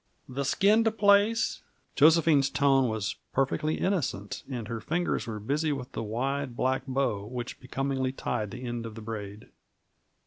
"The skinned place?" Josephine's tone was perfectly innocent, and her fingers were busy with the wide, black bow which becomingly tied the end of the braid.